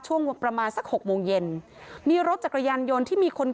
ช่วงประมาณสักหกโมงเย็นมีรถจักรยานยนต์ที่มีคน